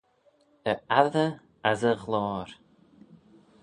E attey as e ghloyr.